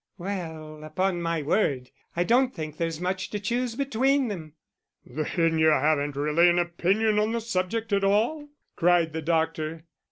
"Well, upon my word, I don't think there's much to choose between them." "Then you haven't really an opinion on the subject at all?" cried the doctor.